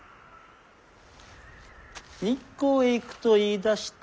日光へ行くと言いだした。